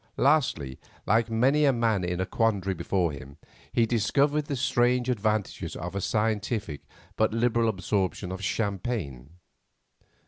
Lastly, like many a man in a quandary before him, he discovered the strange advantages of a scientific but liberal absorption of champagne.